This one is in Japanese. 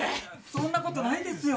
そんなことないですよ。